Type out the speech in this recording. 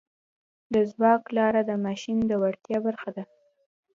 د ځواک لاره د ماشین د وړتیا برخه ده.